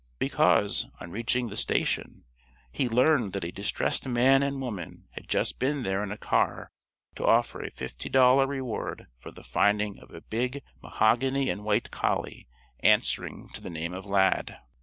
Because, on reaching the station, he learned that a distressed man and woman had just been there in a car to offer a fifty dollar reward for the finding of a big mahogany and white collie, answering to the name of "Lad."